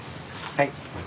はい。